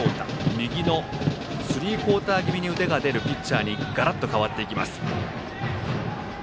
右のスリークオーター気味に腕が出るピッチャーにガラッと変わっていきます。